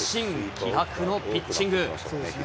気迫のピッチング。